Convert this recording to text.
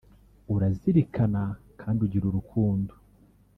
urazirikana kandi ugira urukundo”